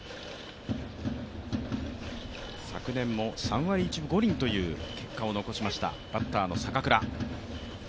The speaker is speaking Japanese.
昨年も３割１分５輪という結果を残しました、バッターの坂倉。